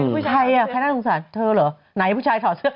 ผู้ชายแค่น่าสงสารเธอเหรอไหนผู้ชายถอดเสื้อ